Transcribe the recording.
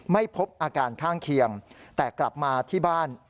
ไม่พบอาการข้างเคียงแต่กลับมาที่บ้าน